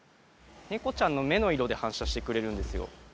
猫ちゃんの目の色で反射してくれるんですよ。